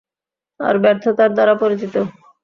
আর ব্যর্থতার দ্বারা পরিচিত।